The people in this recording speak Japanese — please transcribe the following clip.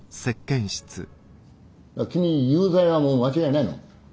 あっ君有罪はもう間違いないの。